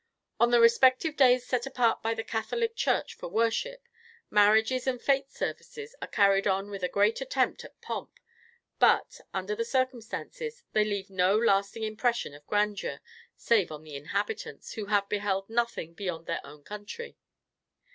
On the respective days set apart by the Catholic church for worship, marriages and fête services are carried on with a great attempt at pomp, but, under the circumstances, they leave no lasting impression of grandeur, save on the inhabitants, who have beheld nothing beyond their own country.